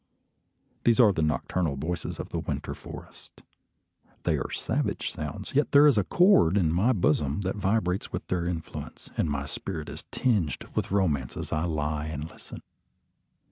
These are the nocturnal voices of the winter forest. They are savage sounds; yet there is a chord in my bosom that vibrates under their influence, and my spirit is tinged with romance as I lie and listen.